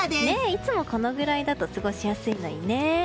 いつも、このぐらいだと過ごしやすいのにね。